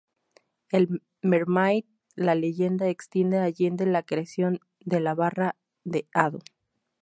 El mermaid la leyenda extiende allende la creación de la Barra de Hado.